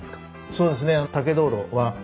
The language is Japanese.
そうですね。